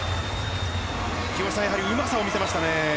木越さん、やはりうまさを見せましたね。